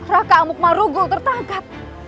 raka amung marugul tertangkap